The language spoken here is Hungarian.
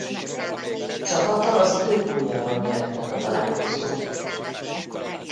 Csapata az ő góljával nyerte meg a találkozót.